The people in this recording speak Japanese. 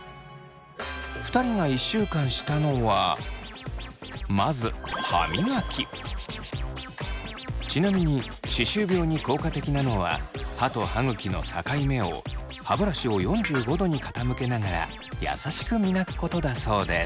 ２人が１週間したのはまずちなみに歯周病に効果的なのは歯と歯ぐきの境目を歯ブラシを４５度に傾けながらやさしく磨くことだそうです。